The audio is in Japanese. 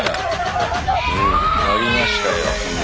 やりましたよ。